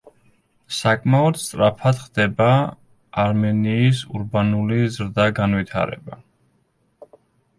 საკმაოდ სწრაფად ხდება არმენიის ურბანული ზრდა-განვითარება.